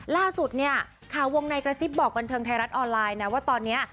ล่าสุดเนี่ยข่าววงในกระซิบบอกบันเทิงไทยรัฐออนไลน์นะว่าตอนนี้